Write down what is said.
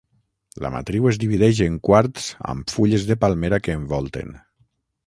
La matriu es divideix en quarts amb fulles de palmera que envolten.